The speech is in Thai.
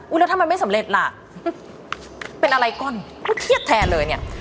แล้วทำไมไม่สำเร็จล่ะเป็นอะไรก่อนก็เครียดแทนเลยเนี่ย